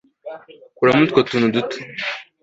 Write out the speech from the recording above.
'kuramo utwo tuntu duto